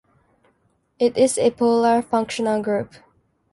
It is a polar functional group.